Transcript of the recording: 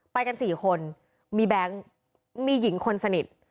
ไปกัน๔คนมีแบงค์มีหญิงคนสนิท